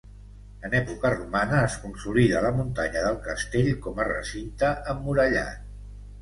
En època romana es consolida la muntanya del castell com a recinte emmurallat.